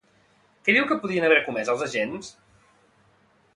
Què diu que podrien haver comès els agents?